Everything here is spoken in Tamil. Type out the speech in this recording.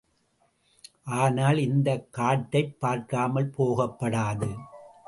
ஆனால், இந்தக் காட்டைப் பார்க்காமல் போகப்படாது.